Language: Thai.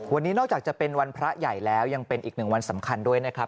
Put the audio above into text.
วันนี้นอกจากจะเป็นวันพระใหญ่แล้วยังเป็นอีกหนึ่งวันสำคัญด้วยนะครับ